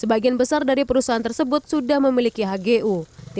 sebagian besar dari perusahaan tersebut sudah memiliki hgu